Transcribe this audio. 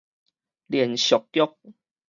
連續劇